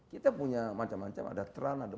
kita punya macam macam ada tral